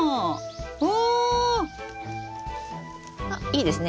あいいですね。